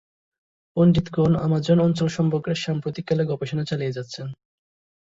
পণ্ডিতগণ Amazon অঞ্চল সম্পর্কে সাম্প্রতিককালে গবেষণা চালিয়ে যাচ্ছেন।